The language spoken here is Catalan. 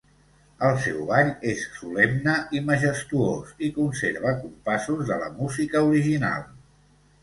El seu ball és solemne i majestuós i conserva compassos de la música original.